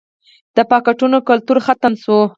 د پاټکونو کلتور ختم شوی